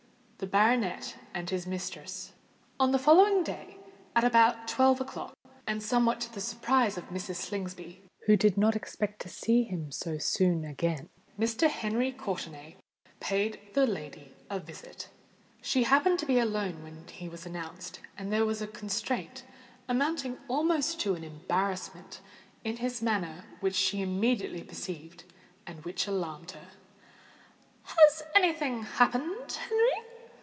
THE BARONET AND HIS MISTRESS. On the following day—at about twelve o'clock, and somewhat to the surprise of Mrs. Slingsby, who did not expect to see him so soon again—Sir Henry Courtenay paid the lady a visit. She happened to be alone when he was announced; and there was a constraint—amounting almost to an embarrassment—in his manner which she immediately perceived, and which alarmed her. "Has any thing happened, Henry?"